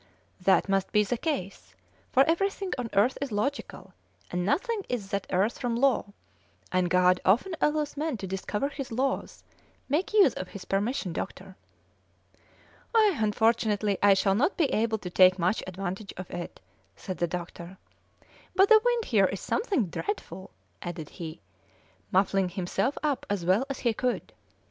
"That must be the case, for everything on earth is logical, and 'nothing is that errs from law,' and God often allows men to discover His laws; make use of His permission, doctor." "Unfortunately, I shall not be able to take much advantage of it," said the doctor, "but the wind here is something dreadful," added he, muffling himself up as well as he could.